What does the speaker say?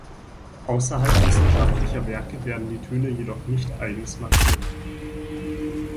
Außerhalb wissenschaftlicher Werke werden die Töne jedoch nicht eigens markiert.